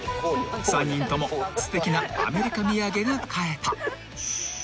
［３人ともすてきなアメリカ土産が買えた］